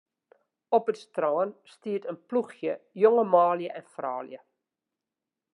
Op it strân siet in ploechje jonge manlju en froulju.